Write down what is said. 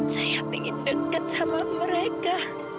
saya ingin dekat sama mereka